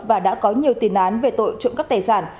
và đã có nhiều tiền án về tội trụng các tài sản